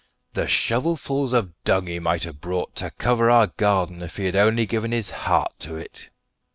The shovelfuls of dung he might have brought to cover our garden if he had only given his heart to it!"